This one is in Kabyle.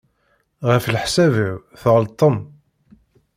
Ɣef leḥsab-iw tɣelṭem.